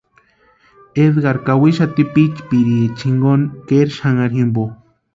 Edgar kawixati pʼichpiricha jinkoni kʼeri xanharhu jimpo.